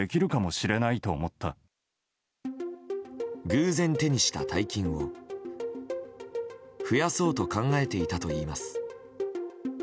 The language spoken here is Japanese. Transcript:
偶然手にした大金を増やそうと考えていたといいます。